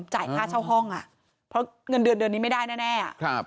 จ่ายค่าเช่าห้องอ่ะเพราะเงินเดือนเดือนนี้ไม่ได้แน่